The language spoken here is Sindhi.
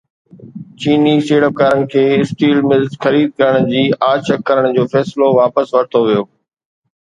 چيني سيڙپڪارن کي اسٽيل ملز خريد ڪرڻ جي آڇ ڪرڻ جو فيصلو واپس ورتو ويو